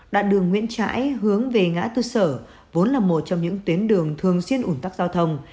đoạn đường nguyễn trãi hướng về ngã tư sở vốn là một trong những tuyến đường thường xuyên ủn tắc giao thông